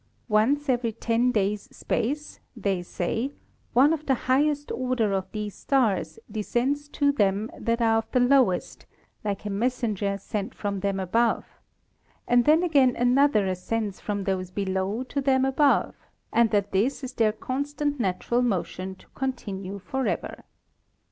Once every Ten Days EVOLUTION OF IDEAS 5 space (they say) one of the highest Order of these Stars descends to them that are of the lowest, like a Messenger sent from them above; and then again another ascends from those below to them above, and that this is their con stant natural motion to continue forever.